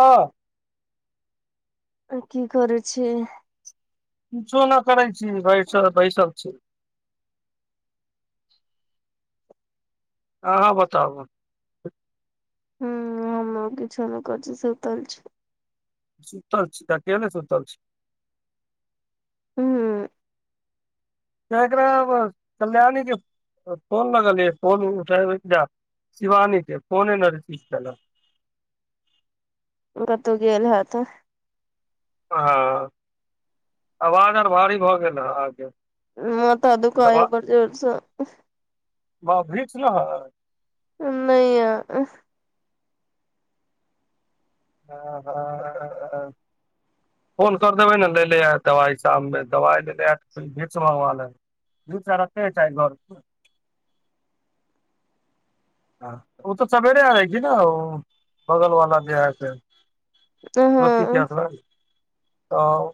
ह तो कि करै छी किछो नहि करै छी भैरसल‌ बैसल छी। अहाँ बताब हू हमहूँ किछ नहि कर छी सुतल छी सुतल छी तऽ कियलै सुतल छी हू एकरा कल्याणी के फोन लगलियै फोन उठैबै ज शिवानी के फोनै नै रिसीव केलकऽ ओ कतहु गेल हैत। ह आवाज आर भारी भऽ गेल हैं अहाके हैं माथा दुखाइयै बड्ड जोर से हॅ बऽ भीक्स न हैय नहि य अ ऐ बै ए [unintelligible] फोन कर देबै ने ले ले आयत दवाई साम मे दवाइ ले ले आयत से भीक्स मगवा लेब लुच्चा रहते जै घर पर। ओ तऽ सवेरे आवे छै ने बगलवाला जे है से ज्योती हँ चस लग तऽ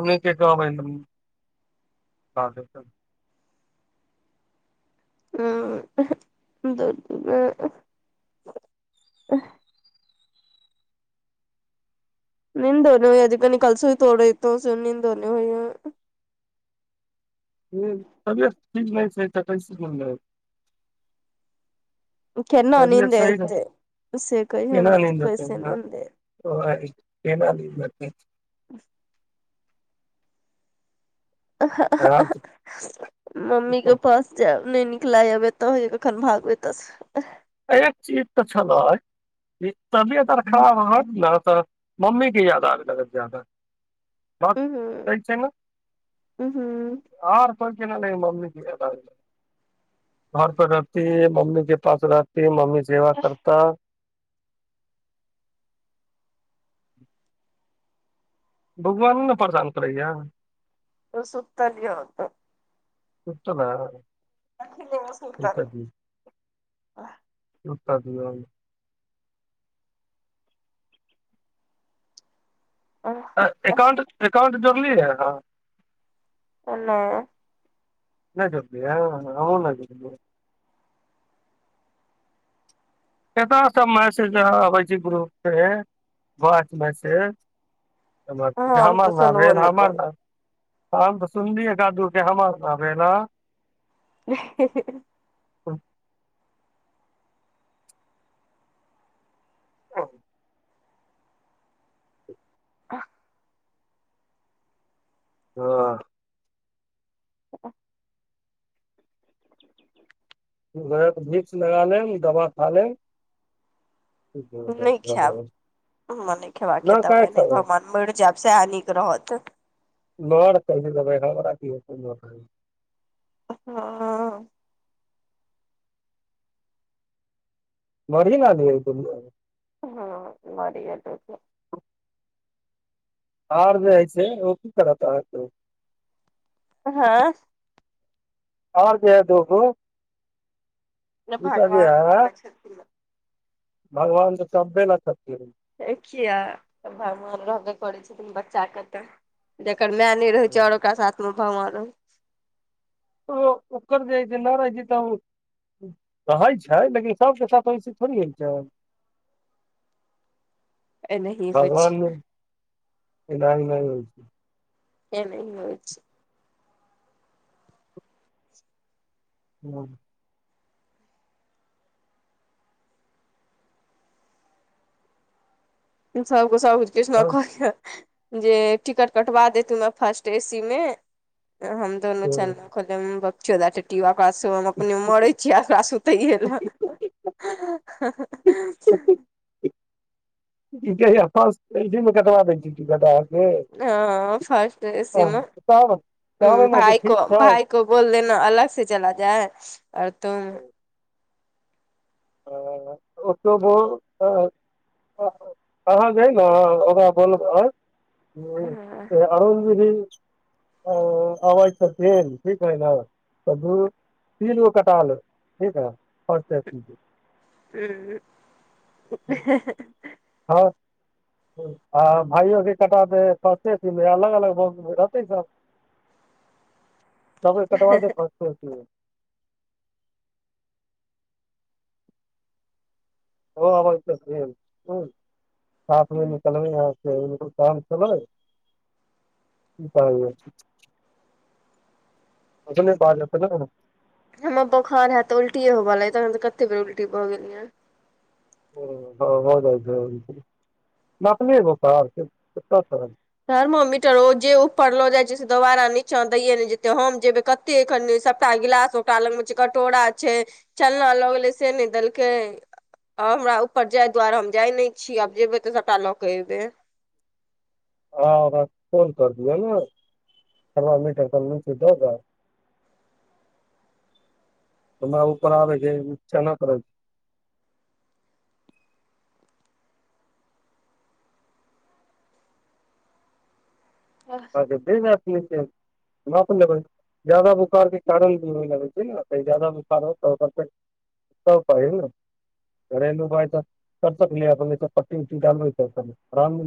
ओने के कहबैन। [unintelligible] [unintelligible] नींदो नै होइए अ जे कनी काल सुइतौ रहियौ से नींदो नै होइए हू तबियत ठीक नै छै [unintelligible] केना तबियत नींद सही रह एतै से कहियौ केना ने ते नींद एतै कैसै नीन्दे [unintelligible] [unintelligible] [unintelligible] मम्मी कऽ पास जेब नै नीक लागैय आब एतऽ होय य कखन भागू एतय स एक चीज तऽ छैले तबियत आर खराब हत ने तऽ मम्मी कऽ याद आबै लागत जादा बात उहु सही छै न उहु [inaudible] आर कह छै नहि मम्मी के याद आबय लागत [unintelligible] बौआ नै न प्रसान करैया उऽ सुतल यऽ ओत [inaudible] सुतलय अखने [inaudible] सुतल सुतै दियौ सुत दियौन [unintelligible] एकाउंट एकाउंट जोड़लीय अहाँ नै नै जोरलिय हमहुँ नै जोरलिय कत स मैसेज अबे छै ग्रुप पे [inaudible] वॉइस मेसेज हम तऽ हमर ना सुनबो भेल नहि हमर ना करू हम तऽ सुनलियै एक आध केँ हमार ना भेल है [unintelligible] हँ [unintelligible] [unintelligible] हऽ [unintelligible] नै यऽ तऽ भिक्स लगा लेम दवा खा लेम नै खैब [inaudible] हमा नै खेबा कऽ नहि दवाइ काहे एनाहे खेबै भगवान मैर जायब सैह नीक रहत [unintelligible] [unintelligible] मही न गै तऽ नै [unintelligible] [unintelligible] आर जे हइ छै ओ की करत अहाँकेँ हँ और जे है दुगो [inaudible] दुटा जे भगवान है पालक छथिन भगवान तऽ [unintelligible] यै किया भगवान रहबे करै छथिन बच्चा कऽ तऽ जकर मैं नै रहै छै और ओकरा साथ में भवान रहै ओ ओकर जेइ छै नै रहै छै तऽ ओ है छै लेकिन सभ केँ साथ ओसे थोड़ी है छै [unintelligible] एनाही होइ भगवान छै नहि नहि होई छै एमे हो छै ह इन्सफ को सभ छै किछ हँ, नखा जे टिकट कटवा देतू मे फर्स्ट सी मे हम दोनू सबके चललहु कहलो ओकरा अपने मरे छीयैकरा सुतैए लऽ हा हा कही मुकदमा दऽ हैं फर्स्ट ऐसी मे तब कहबै ने कि भाय ठीक कऽ छै भाय को बोल देना अलग से चला जाय हैं आओ तुम आ ओटोबो। अहाँ जे ने ओकरा बोलब अरुणजि अ आवाज छथि ठीकै नल नै तऽ तीर ओ कटाल तऽ ह आ भाइयो के कटा दे ससे अलग अलग ब रहतै सभ [unintelligible] तब कटब प ओ अबै साथमे निकलबे ह काम खै कऽ कह ओ नहि बजे जात ने हमर बोखार है तऽ उलटीए होवऽ ले तन तऽ कते बेर उलटी भऽ गेलिये ओ ह भऽ जाय छै थर्मोमीटर ओ जे ऊपर लऽ जाइत छैय से दोबारा नीचा दैए नहि जेतै हम जेबै कत कते एखन सभटा गिलास ओकरा लग मऽ छैय कटोरा छैय चलना लऽ गेलै से नै दलके हमरा ऊपर जाय दुआरे हम जाइत नहि छी आब जेबै तऽ सभटा लऽ कऽ अयबै ह ओकरा फोन कर दिअ नऽ थर्मामीटर कनि नीचे दऽ जाऊ [inaudible] हमरा ऊपर आबे के उचा नै करही। अ फेर राखि लेकिन हमरा कोन। जादा बोखार के कारण भी हो लगै छैय ने जादा बोखार होत तऽ ओ फेर। तब कही न घरेलु भाय तऽ कर सकल अपन पट्टी उट्टी डालबऽ तऽ राम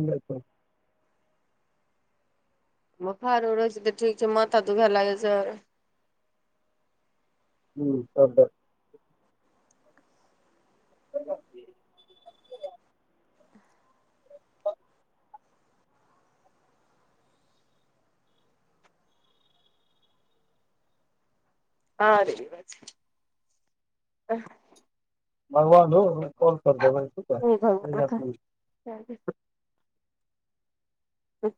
बोखार रहै छैय त ठीक छैय माथा दुखाय लागै छैय हऽ सभ ह आरे बा आह। भगवान कोल कर देबै। है हे नहीं ना, भगवान। तू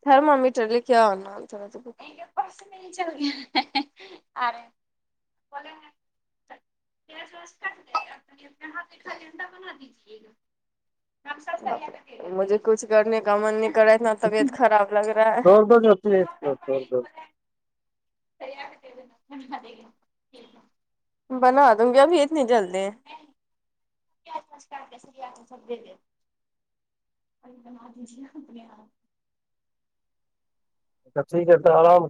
थर्मामीटर ले के आओ नऽ थोड़ा आ रहे ह पेस कट दे अपने हाथेठा लेडा बना दीजिए मुझे कुछ करने का मन नहि कर रहा इतना [unintelligible] खराब लग रहा है दौड़ दौड़ ओतैय जो दौड़ भैयाके देबैय लेलऽ उहा गेलिए बना दूंगी अभी इतनी जल्दी [unintelligible] प्याज घिसका के अच्छी करता आराम।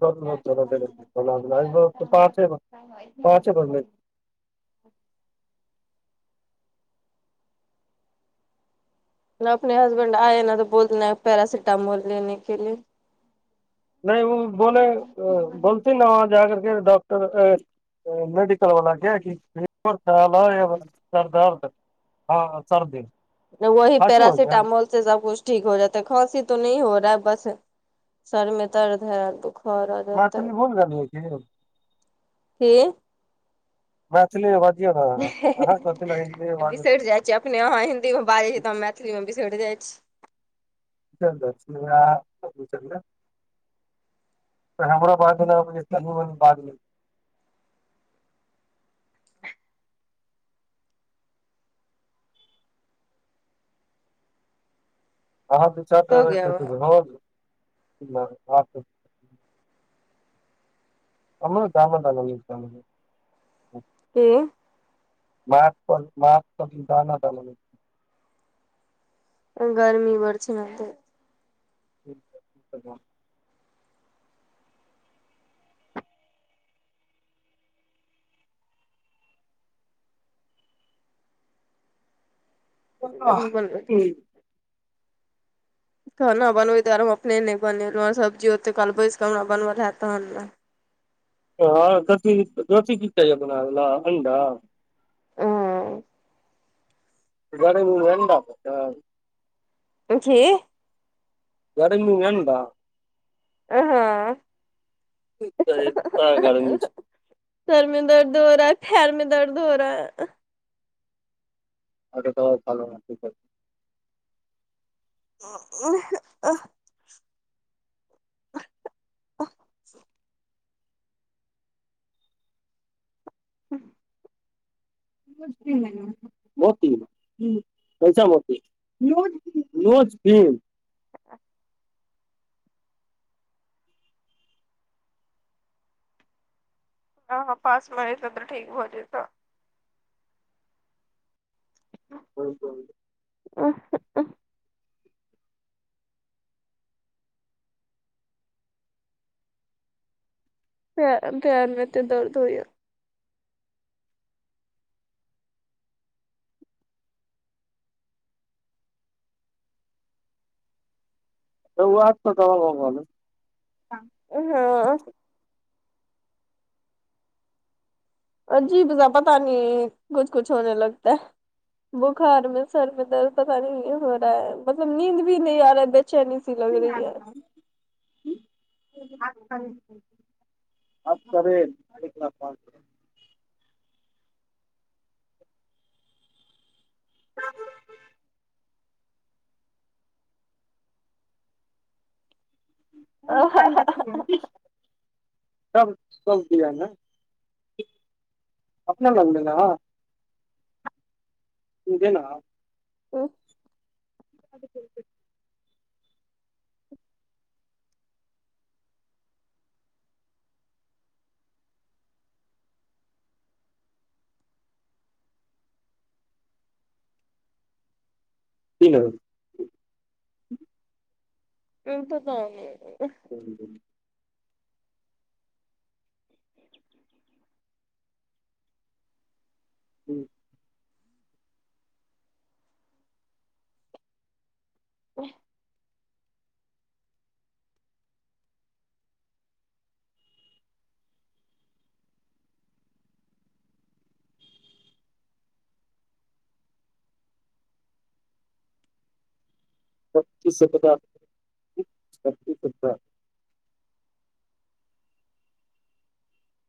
पाँचे भर पाँचे बनब। अपने हसबैड आये नऽ तो बोल देना पैरासिटामोल लेने के लिए नहि ओ बोले बोलती नऽ वहा जा करके डाॅक मेडिकल वला के कि [unintelligible] सरदर्द ह ह सर्दी वही खाँसी हो गया पेरासिटामोल। उससे सभ कुछ ठीक हो जाता है खाँंसी तो नही हो रहा है बस सर में दर्द है दुख [unintelligible] मैथिली भूल गेलिये कि य कि मैथिली मऽ बाजियो नऽ अहाॅं अहाॅं सभ ऐना हिन्दीय बाजबै जे अपने अहाँ हिंन्दी मे बाजै छी तऽ हम मैथिली मे बिसरि जाइत छी लक्षणिया ने। [unintelligible] हमरो बादमे बाद मे। अहाँ [unintelligible] दू हो चारि गया वा ड्राइवर हमरा काम लऽ के म [unintelligible] पर म् पति जान त गर्मी बड़ छैन ठीक छैय ठीक छैय। ह हठी खाना बनबै दुआरे हम अपने ने नहि बनेलो सब्जी ओते काल बैस कऽ हमरा बनबल है तऽ हन हँ दथि दथी कि कहेया बनाबे लऽ अंडा आ गर्मो बड़ हड तखी। एर एनटा [unintelligible] आहा तऽ गर्मी छै सर मे दर्द हो रहा है पैर मे दर्द हो रहा है [unintelligible] ओ त तऽ भलो ने [unintelligible] ठ कह छै अ [unintelligible] हू। बाल मै मती ने हा हा पास मे एतऽ तऽ ठीक भऽ जेतऽ ह। और कहूँ आ [unintelligible] पैर में एते दर्द होइए त आज क तब बल [unintelligible] हाँ अजीब बझा पता नहीं कुछ कुछ होने लगता है बोखार में सर में दर्द पता न हो रहा मतलब नींद भी नी आ रहा बेचैनी सी लग रही है [unintelligible] ब करे अ [unintelligible] ह [unintelligible] पता ने [unintelligible] अपना लोने रह उ [unintelligible] [unintelligible] तीन [unintelligible] जार उ त त [unintelligible] ह [unintelligible] हूँ ह [unintelligible] सब चीज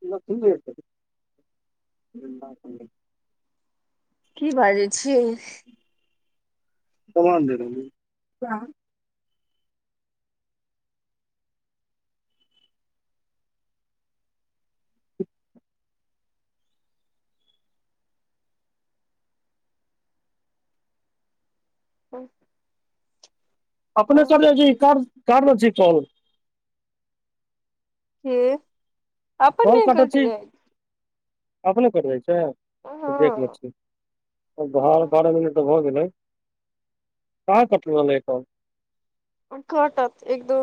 इ तमीरतै कि बाजै छियै समान जर हाँ अपने सब ल क रे जी कर कर रहल छी फॉल हूं कोल कटै छी अपने कटजैए छै देख लै हँ छी बारह बारह मिनट तऽ भऽ गेलै कहा कटले हनफोन कटत एक दो